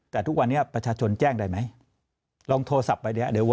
แต่ทุกวันนี้ประชาชนแจ้งได้ไหมลองโทรศัพท์ไปเนี่ย